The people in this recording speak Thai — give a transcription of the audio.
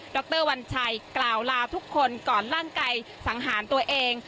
รวัญชัยกล่าวลาทุกคนก่อนร่างกายสังหารตัวเอง